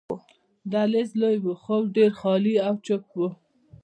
دهلېز لوی وو، خو ډېر خالي او چوپ وو.